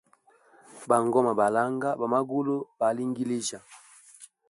Bangoma ba langa, bamangulu balangilijya.